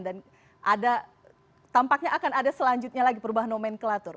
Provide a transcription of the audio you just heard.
dan ada tampaknya akan ada selanjutnya lagi perubahan nomenklatur